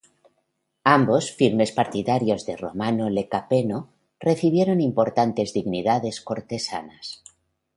Ambos firmes partidarios de Romano Lecapeno, recibieron importantes dignidades cortesanas.